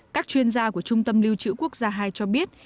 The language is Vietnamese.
các chuyên gia của trung tâm lưu trữ quốc gia hai cho biết